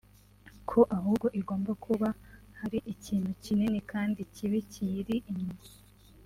ko ahubwo igomba kuba hari ikintu kinini kandi kibi kiyiri inyuma